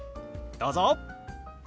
どうぞ！